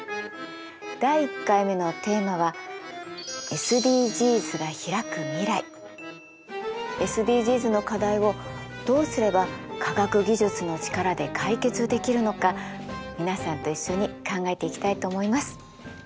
第１回のテーマはＳＤＧｓの課題をどうすれば科学技術の力で解決できるのか皆さんと一緒に考えていきたいと思います。